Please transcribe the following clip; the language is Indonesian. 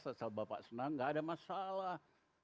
sesal bapak senang gak ada masalah